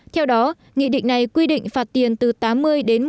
theo đó nghị định này quy định phạt tiền từ tám mươi đến một trăm linh